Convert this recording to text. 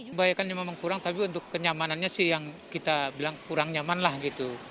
kebanyakan memang kurang tapi untuk kenyamanannya sih yang kita bilang kurang nyaman lah gitu